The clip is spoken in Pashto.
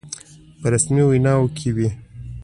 په رسمي ویناوو کې وي.